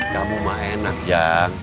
kamu mah enak jang